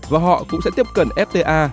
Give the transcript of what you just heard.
và họ cũng sẽ tiếp cận fta